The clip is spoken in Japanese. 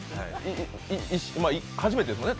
まあ初めてですもんね